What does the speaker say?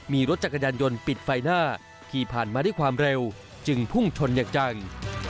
มีรถจักรยานยนต์ปิดไฟหน้าขี่ผ่านมาด้วยความเร็วจึงพุ่งชนอย่างจัง